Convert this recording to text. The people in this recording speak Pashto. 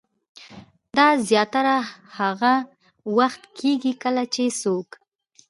دا زياتره هاغه وخت کيږي کله چې څوک